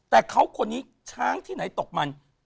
แต่เขาคนนี้ช้างที่ไหนตกมัน